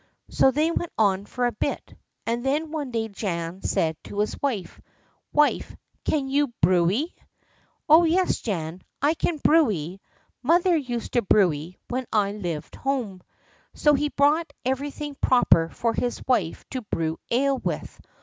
So they went on for a bit, and then one day Jan said to his wife: "Wife, can you brew y?" "Oh, yes, Jan, I can brew y. Mother used to brew y when I lived home." So he bought everything proper for his wife to brew ale with.